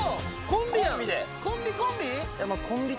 コンビでコンビコンビ？